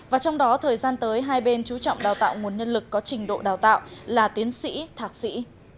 và trong đó thời gian tới hai bên chú trọng đào tạo nguồn nhân lực có trình độ đào tạo là tiến sĩ thạc sĩ